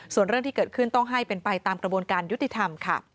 ส่วนเรื่องที่เกิดขึ้นต้องให้เป็นไปตามกระบวนการยุติธรรมค่ะ